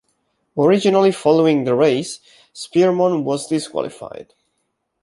Originally following the race, Spearmon was disqualified.